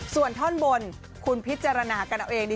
ส่วนท่อนบนคุณพิจารณากันเอาเองดี